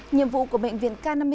nhiệm vụ của bệnh viện k năm mươi bốn